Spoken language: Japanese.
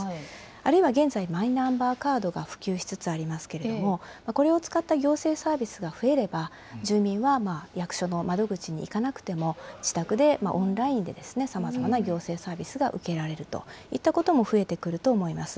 あるいは現在、マイナンバーカードが普及しつつありますけれども、これを使った行政サービスが増えれば、住民は役所の窓口に行かなくても、自宅でオンラインでさまざまな行政サービスが受けられるといったことも増えてくると思います。